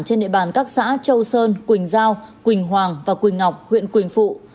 trên địa bàn các xã châu sơn quỳnh giao quỳnh hoàng và quỳnh ngọc huyện quỳnh phụ